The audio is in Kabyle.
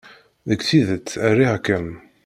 Deg tidet, riɣ-kem.